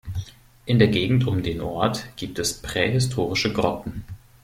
In der Gegend um den Ort gibt es prähistorische Grotten.